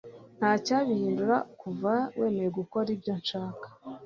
ntacyabihindura kuva wemeye gukora ibyo nshaka